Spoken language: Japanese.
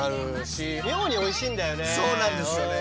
僕そうなんですよね。